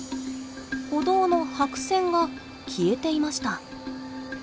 歩道の白線が消えていました。